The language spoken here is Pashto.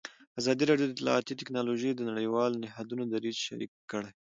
ازادي راډیو د اطلاعاتی تکنالوژي د نړیوالو نهادونو دریځ شریک کړی.